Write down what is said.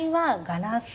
ガラス。